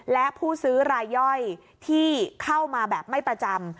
และผู้ซื้อรายย่อยที่เข้ามาแบบไม่ประจำ